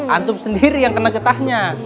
antup sendiri yang kena getahnya